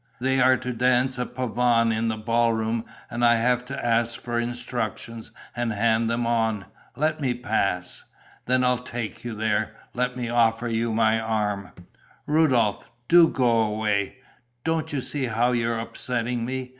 They are to dance a pavane in the ball room and I have to ask for instructions and hand them on. Let me pass." "Then I'll take you there. Let me offer you my arm." "Rudolph, do go away! Don't you see how you're upsetting me?